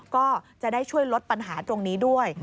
ก็จะได้ช่วยลดปัญหาตรงนี้ด้วย